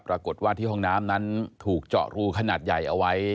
ปรากฏว่าที่ห้องน้ำนั้นถูกเจาะรูขนาดใหญ่เอาไว้